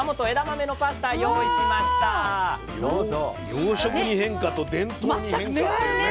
洋食に変化と伝統に変化ね。